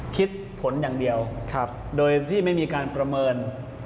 คิดผลอย่างเดียวโดยที่ไม่มีการประเมิน